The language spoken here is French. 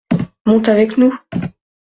Monte avec nous.